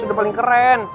udah paling keren